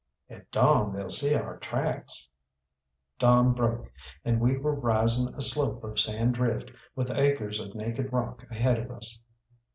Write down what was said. "At dawn they'll see our tracks." Dawn broke, and we were rising a slope of sand drift, with acres of naked rock ahead of us.